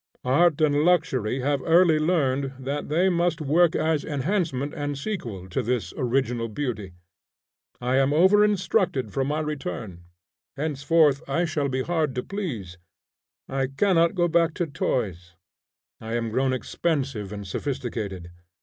Art and luxury have early learned that they must work as enhancement and sequel to this original beauty. I am overinstructed for my return. Henceforth I shall be hard to please. I cannot go back to toys. I am grown expensive and sophisticated.